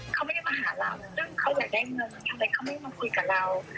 เขาไม่ได้มาหาเราซึ่งเขาอยากได้เงินทำไมเขาไม่มาคุยกับเรา